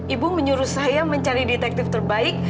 ibu menyuruh saya mencari detektif terbaik